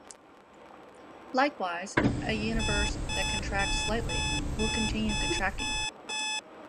Likewise, a universe that contracts slightly will continue contracting.